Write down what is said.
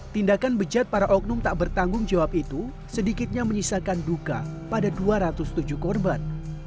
tindakan bejat para oknum tak bertanggung jawab itu sedikitnya menyisakan duka pada dua ratus tujuh korban